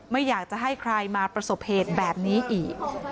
ไม่อยากจะให้ใครมาประสบเหตุแบบนี้อีก